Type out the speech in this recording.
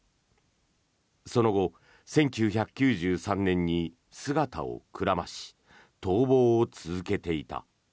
その後、１９９３年に姿をくらまし逃亡を続けていた。